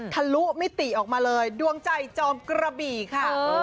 ทะลุมิติออกมาเลยดวงใจจอมกระบี่ค่ะ